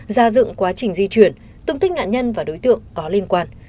ra dựng quá trình di chuyển tung tích nạn nhân và đối tượng có liên quan